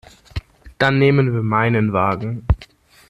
Dann nehmen wir meinen Wagen.